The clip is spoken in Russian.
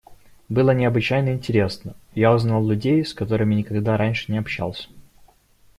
Было необычайно интересно: я узнал людей, с которыми никогда раньше общался.